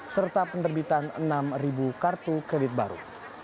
serta penerbitan enam kartu kredit baru